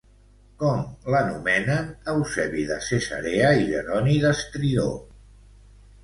Com l'anomenen Eusebi de Cesarea i Jeroni d'Estridó?